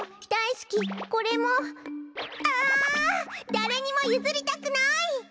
だれにもゆずりたくない！